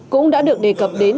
cũng đã được đề cập đến